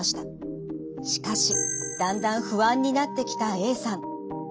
しかしだんだん不安になってきたＡさん。